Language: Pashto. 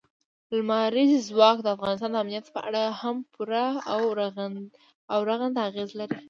لمریز ځواک د افغانستان د امنیت په اړه هم پوره او رغنده اغېز لري.